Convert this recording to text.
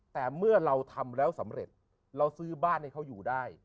แต่เมื่อเราทำแล้วสำเร็จเราซื้อบ้านให้เขาอยู่ได้